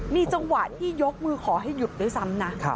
มีจังหวะที่ยกมือขอให้หยุดด้วยซ้ำนะ